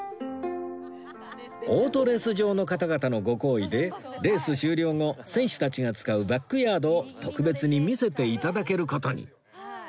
オートレース場の方々のご厚意でレース終了後選手たちが使うバックヤードを特別に見せていただける事に